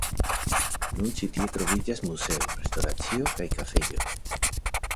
Nun ĉi tie troviĝas muzeo, restoracio kaj kafejo.